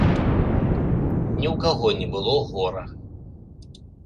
Ні ў каго не было гора.